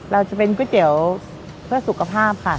เราจะเป็นก๋วยเตี๋ยวเพื่อสุขภาพค่ะ